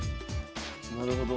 なるほど。